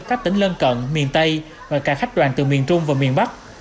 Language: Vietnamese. các tỉnh lân cận miền tây và cả khách đoàn từ miền trung và miền bắc